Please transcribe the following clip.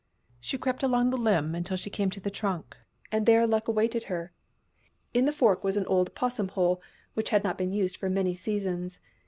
She crept along the limb until she came to the trunk, and there luck awaited her. In the fork was an old 'possum hole which had not been used for many seasons.